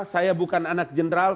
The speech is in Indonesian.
saya bukan anak jenderal